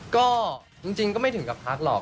ก็จริงก็ไม่ถึงกับพักหรอก